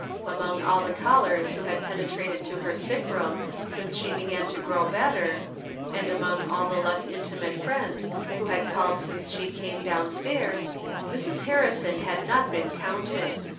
Among all the callers who had penetrated to her sick room since she began to grow better, and among all the less intimate friends who had called since she came down stairs, Mrs. Harrison had not been counted.